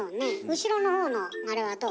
後ろのほうのあれはどう？